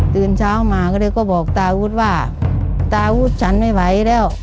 ตื่นเช้ามาก็เลยก็บอกตาวุฒิว่าตาวุธฉันไม่ไหวแล้ว